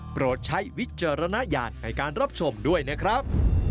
โปรดใช้วิจารณญาณในการรับชมด้วยนะครับ